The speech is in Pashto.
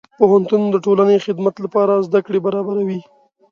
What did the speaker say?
پوهنتون د ټولنې خدمت لپاره زدهکړې برابروي.